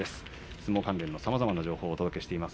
相撲関連のさまざまな情報をお届けしています。